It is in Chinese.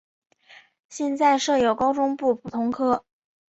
现在设有高中部普通科。